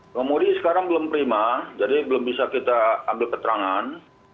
kalau mau dikira sekarang belum prima jadi belum bisa kita ambil keterangan